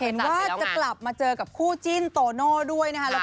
เห็นว่าจะกลับมาเจอกับคู่จิ้นโตโน่ด้วยนะคะ